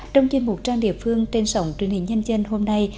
trong chuyên mục trang địa phương trên sổng truyền hình nhân dân hôm nay